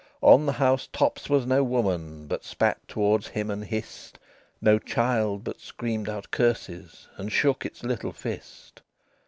On the house tops was no woman But spat towards him and hissed, No child but screamed out curses, And shook its little fist.